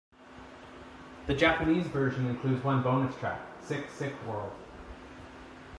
The Japanese version includes one bonus track, "Sick Sick World".